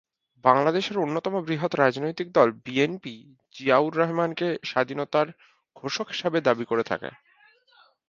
বাংলাদেশের অন্যতম বৃহৎ রাজনৈতিক দল বিএনপি জিয়াউর রহমান কে স্বাধীনতার ঘোষক হিসেবে দাবি করে থাকে।